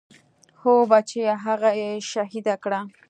هو بچيه هغه يې شهيده کړه.